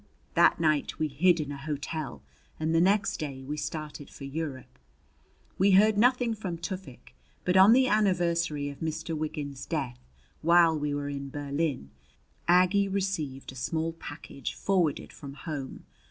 That night we hid in a hotel and the next day we started for Europe. We heard nothing from Tufik; but on the anniversary of Mr. Wiggins's death, while we were in Berlin, Aggie received a small package forwarded from home.